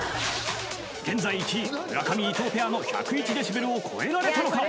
現在１位村上・伊藤ペアの１０１デシベルを超えられたのか？